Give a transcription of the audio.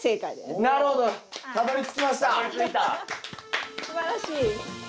すばらしい。